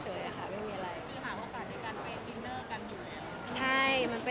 มีหาโอกาสไปกันดินเนอร์กันอยู่ไง